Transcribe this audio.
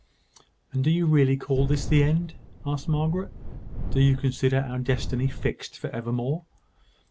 "And do you really call this the end?" asked Margaret. "Do you consider our destiny fixed for evermore?"